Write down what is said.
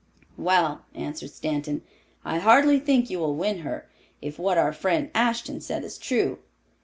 "Well," answered Stanton. "I hardly think you will win her, if what our friend Ashton said is true.